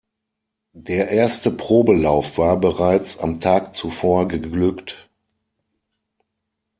Der erste Probelauf war bereits am Tag zuvor geglückt.